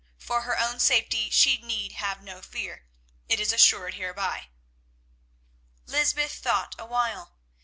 For her own safety she need have no fear; it is assured hereby." Lysbeth thought awhile.